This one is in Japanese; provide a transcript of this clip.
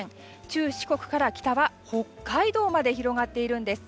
中四国から北は北海道まで広がっているんです。